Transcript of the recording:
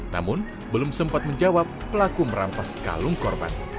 namun belum sempat menjawab pelaku merampas kalung korban